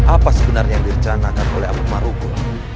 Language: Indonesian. apa sebenarnya yang direcanakan oleh abu marubo